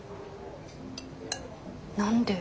何で？